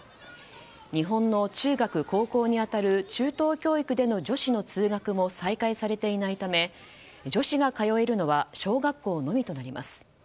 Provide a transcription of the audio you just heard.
日本の中学・高校に当たる中等教育での女子の通学も再開されていないため女子が通えるのは小学校のみとなります。